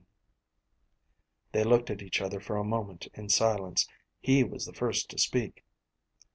They looked at each other for a moment in silence. He was the first to speak.